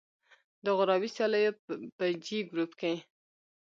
د غوراوي سیالیو په جې ګروپ کې